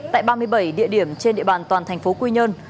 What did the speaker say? tại ba mươi bảy địa điểm trên địa bàn toàn thành phố quy nhơn